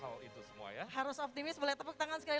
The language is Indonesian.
om seriousné yang kami